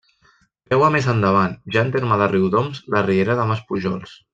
Creua més endavant, ja en terme de Riudoms, la riera de Maspujols.